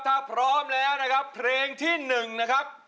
ถ้าพร้อมแล้วนะครับเพลงที่๑นะครับ